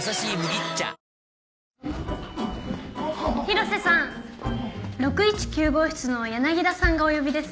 広瀬さん６１９号室の柳田さんがお呼びです。